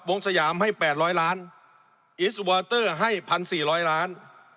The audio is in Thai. วงสยามให้แปดร้อยล้านอีสต์วอเตอร์ให้พันสี่ร้อยล้าน